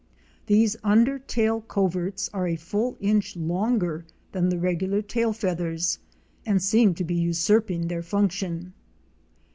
These under tail coverts are a full inch longer than the regular tail feathers and seem to be usurping their function.